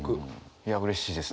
いやうれしいですね。